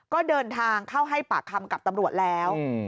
ก็เดินทางเข้าให้ปากคำกับตำรวจแล้ว